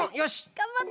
がんばって。